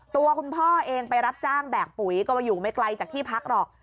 ตัวคุณพ่อเองไปรับจ้างแบกปุ๋ยก็มาอยู่ไม่ไกลจากที่พักหรอก